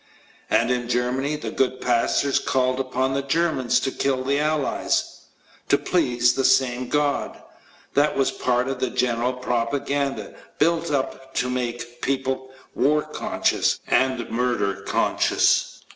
And in Germany, the good pastors called upon the Germans to kill the aUies ... to please the same God. That was a part of the general propaganda, built up to make people war conscious and murder conscious.